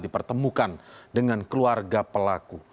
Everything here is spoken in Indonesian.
dipertemukan dengan keluarga pelaku